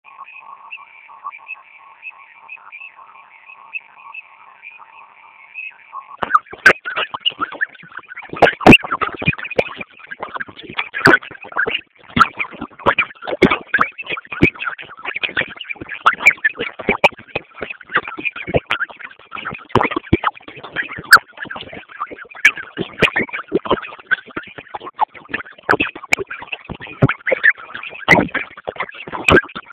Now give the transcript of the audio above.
iwapo vikwazo vya kusafiri na biashara kama vile dola hamsini ya viza vimeondolewa